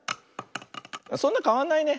そんなかわんないね。